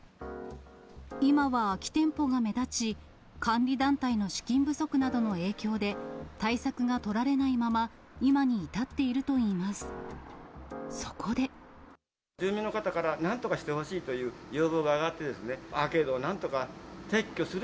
今は空き店舗が目立ち、管理団体の資金不足などの影響で、対策が取られないまま今に至っているといいます。